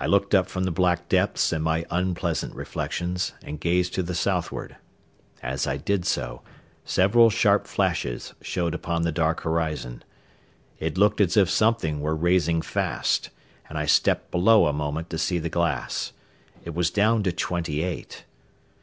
I looked up from the black depths and my unpleasant reflections, and gazed to the southward. As I did so, several sharp flashes showed upon the dark horizon. It looked as if something were raising fast, and I stepped below a moment to see the glass. It was down to twenty eight.